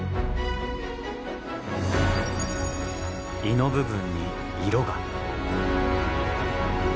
胃の部分に色が。